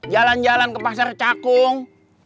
jalan jalan ke pasar cakung